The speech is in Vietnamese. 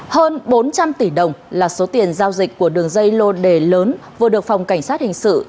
hơn bốn trăm linh tỷ đồng là số tiền giao dịch của đường dây lô đề lớn vừa được phòng cảnh sát hình sự